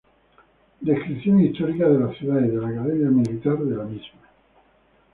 Descripción histórica de la ciudad y de la Academia Militar de la misma".